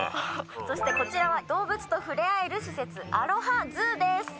そしてこちらは動物と触れ合える施設アロハＺＯＯです！